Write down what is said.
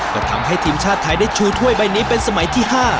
ก็ทำให้ทีมชาติไทยได้ชูถ้วยใบนี้เป็นสมัยที่๕